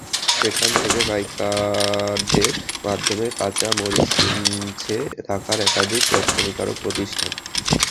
সেখান থেকে পাইকারদের মাধ্যমে কাঁচা মরিচ কিনছে ঢাকার একাধিক রপ্তানিকারক প্রতিষ্ঠান।